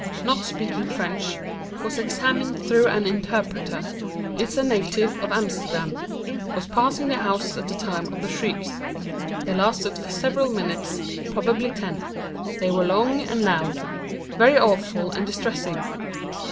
Not speaking French, was examined through an interpreter. Is a native of Amsterdam. Was passing the house at the time of the shrieks. They lasted for several minutes—probably ten. They were long and loud—very awful and distressing.